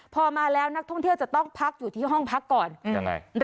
พอมาแล้วนักท่องเที่ยวจะต้องพักอยู่ที่ห้องพักก่อนยังไง